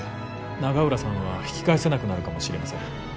永浦さんは引き返せなくなるかもしれません。